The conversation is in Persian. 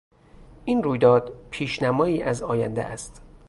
این رویداد پیشنمایی از آینده است.